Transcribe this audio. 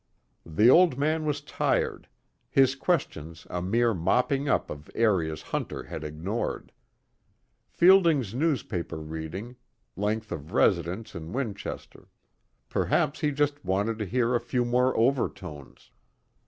The Old Man was tired, his questions a mere mopping up of areas Hunter had ignored: Fielding's newspaper reading, length of residence in Winchester; perhaps he just wanted to hear a few more overtones.